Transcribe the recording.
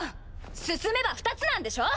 進めば２つなんでしょ？